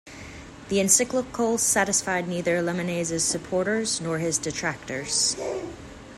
The encyclical satisfied neither Lamennais's supporters nor his detractors.